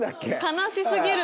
悲しすぎる！